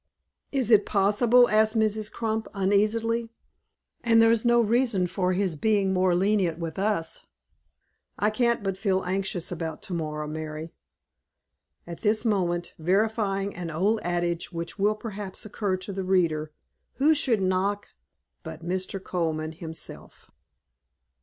"Is it possible?" asked Mrs. Crump, uneasily. "And there's no reason for his being more lenient with us. I can't but feel anxious about to morrow, Mary." At this moment, verifying an old adage which will perhaps occur to the reader, who should knock but Mr. Colman himself?